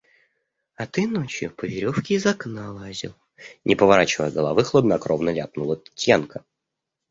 – А ты ночью по веревке из окна лазил, – не поворачивая головы, хладнокровно ляпнула Татьянка.